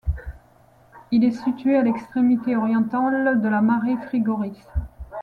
Il est situé à l'extrémité orientale de la Mare Frigoris.